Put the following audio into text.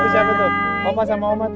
siapa tuh opa sama oma tuh